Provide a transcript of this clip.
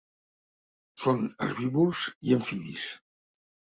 Són herbívors i amfibis.